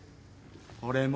俺も。